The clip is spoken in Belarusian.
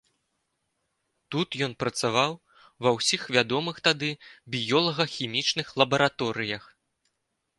Тут ён працаваў ва ўсіх вядомых тады біёлага-хімічных лабараторыях.